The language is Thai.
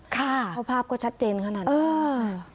ค่ะภาพก็ชัดเจนขนาดนี้เออ